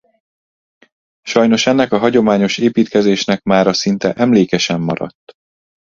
Sajnos ennek a hagyományos építkezésnek mára szinte emléke sem maradt.